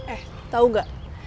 eh tau nggak